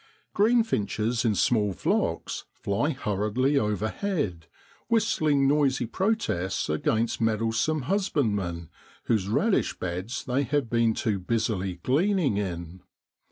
Greenfinches in small flocks fly hurriedly overhead, whistling noisy protests against meddlesome husbandmen whose radish beds they have been too busily gleaning in.